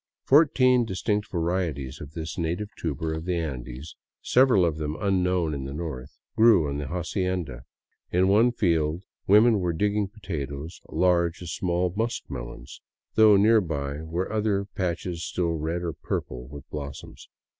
Fourteen distinct varieties of this native tuber of the Andes, several of them unknown in the North, grew on the hacienda. In one field women were digging potatoes large as small muskmelons, though nearby were other patches still red or purple with blossoms.